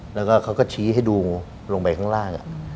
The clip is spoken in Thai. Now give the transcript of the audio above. แล้วก็เขาก็ชี้ให้ดูลงไปข้างล่าง